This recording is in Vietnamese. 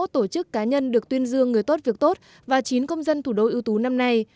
chín trăm sáu mươi một tổ chức cá nhân được tuyên dương người tốt việc tốt và chín công dân thủ đô ưu tú năm nay